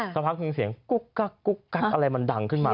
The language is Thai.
สักพักหนึ่งเสียงกุ๊กกักกุ๊กกักอะไรมันดังขึ้นมา